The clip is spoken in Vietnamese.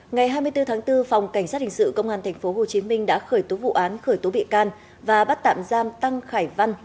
ngày hai mươi bốn tháng bốn phòng cảnh sát hình sự công an tp hcm đã khởi tố vụ án khởi tố bị can và bắt tạm giam tăng khải văn